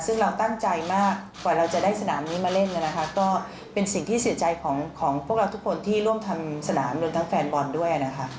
ซึ่งเราตั้งใจมากกว่าเราจะได้สนามนี้มาเล่นนะคะก็เป็นสิ่งที่เสียใจของพวกเราทุกคนที่ร่วมทำสนามรวมทั้งแฟนบอลด้วยนะคะ